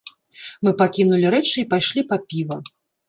Мы пакінулі рэчы і пайшлі па піва.